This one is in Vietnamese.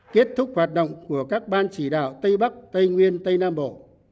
kết thúc hoạt động của các ban chỉ đạo tây bắc tây nguyên tây nam bộ